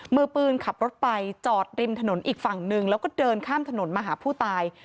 มือปืนขับรถไปจอดริมถนนอีกฝั่งหนึ่งแล้วก็เดินข้ามถนนมาหาผู้ตาย